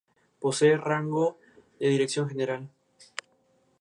Posee rango de dirección general.